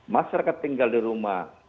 masyarakat tinggal di rumah